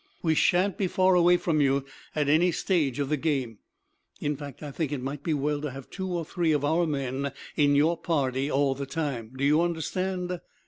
We shan't be faraway from you at any stage of the game; in fact, I think it might be well to have two or three of our men in your party all the time. Do you understand?"